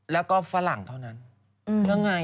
แล้วก็ฝรั่งเท่านั้น